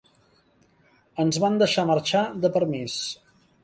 Ens van deixar marxar de permís